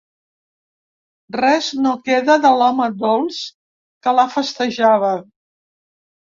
Res no queda de l'home dolç que la festejava.